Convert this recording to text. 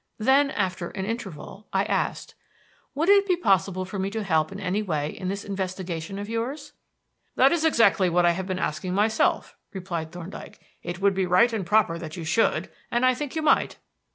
Then, after an interval, I asked: "Would it be possible for me to help in any way in this investigation of yours?" "That is exactly what I have been asking myself," replied Thorndyke. "It would be right and proper that you should, and I think you might."